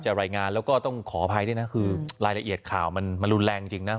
รายงานแล้วก็ต้องขออภัยด้วยนะคือรายละเอียดข่าวมันรุนแรงจริงนะ